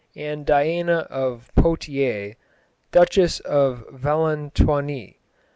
and Diana of Poitiers, Duchess of Valentinois.